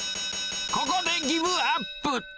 ここでギブアップ。